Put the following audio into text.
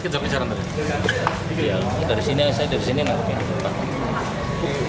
sebenarnya saya dari sini nangkepnya